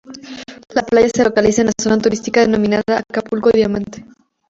La playa se localiza en la zona turística denominada "Acapulco Diamante".